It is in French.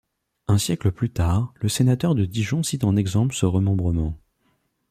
Un siècle plus tard, le sénateur de Dijon cite en exemple ce remembrement.